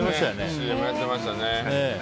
ＣＭやってましたね。